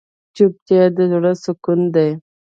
چوپتیا، د زړه سکون دی.